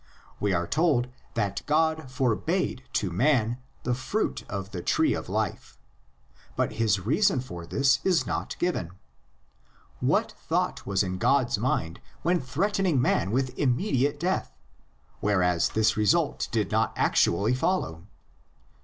We are told that God forbade to man the fruit of the tree of life, but his reason for this is not given. What thought was in God's mind when threatening man with immediate death, whereas this result did not actually follow?